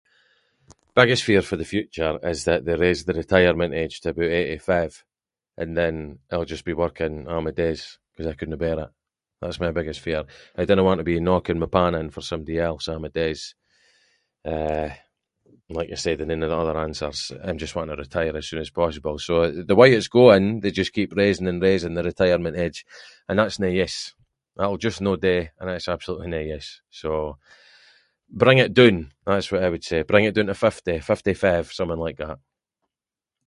Biggest fear for the future is that they raise the retirement age to aboot eighty-five, and then I’ll just be working a’ my days ‘cause I couldnae bear it, that’s my biggest fear. I dinna want to be knocking my pan in for somebody else a’ my days. Eh like I said in ain of the other answers, I’m just wanting to retire as soon as possible, so the way it’s going, they just keep raising and raising the retirement age, and that’s no use, that’ll just no do, and that’s absolutely no use, so bring it doon, that’s what I would say, bring it doon to fifty, fifty-five, something like that.